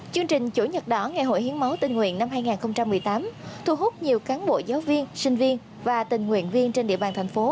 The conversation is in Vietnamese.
chương trình chủ nhật đỏ ngày hội hiến máu tình nguyện năm hai nghìn một mươi tám thu hút nhiều cán bộ giáo viên sinh viên và tình nguyện viên trên địa bàn thành phố